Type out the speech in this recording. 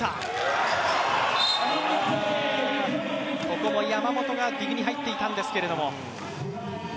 ここも山本がディグに入っていたんですけども。